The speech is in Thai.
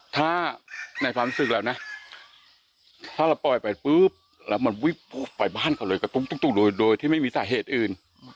ถ้าคุณป่อยไปปุ๊บและมันวิพูปขึ้นไปบ้านก็เลยโดยไม่มีสาเหตุอื่น